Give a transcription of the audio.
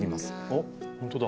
あっほんとだ。